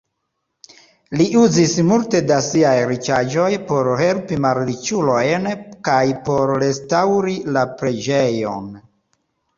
Li uzis multe da siaj riĉaĵoj por helpi malriĉulojn kaj por restaŭri la preĝejon.